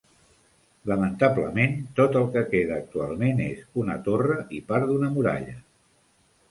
Lamentablement, tot el que queda actualment és una torre i part d'una muralla.